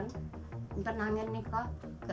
nanti angin nih kok